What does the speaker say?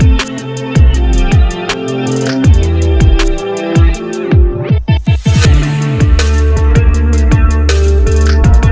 aduh abis gimana ya